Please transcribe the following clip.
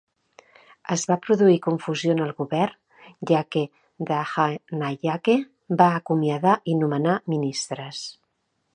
Es va produir confusió en el govern, ja que Dahanayake va acomiadar i nomenar ministres.